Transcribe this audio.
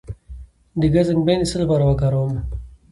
د ګز انګبین د څه لپاره وکاروم؟